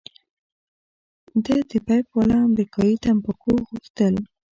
ده د پیپ والا امریکايي تمباکو غوښتل.